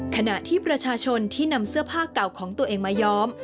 ขณะที่ประชาชนที่นำเสื้อผ้าเก่าของตัวเองมาย้อม